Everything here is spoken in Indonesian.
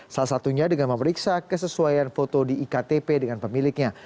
salah satunya dengan memeriksa kesesuaian foto di iktp dengan pemiliknya